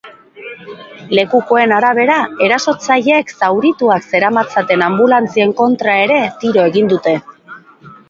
Lekukoen arabera, erasotzaileek zaurituak zeramatzaten anbulantzien kontra ere tiro egin dute.